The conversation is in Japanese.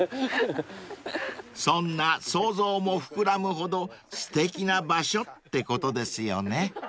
［そんな想像も膨らむほどすてきな場所ってことですよね］